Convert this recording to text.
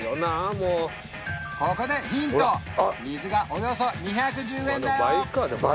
もうここでヒント水がおよそ２１０円だよ